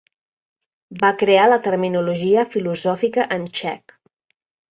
Va crear la terminologia filosòfica en txec.